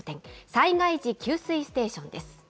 ・災害時給水ステーションです。